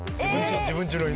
自分ちの犬。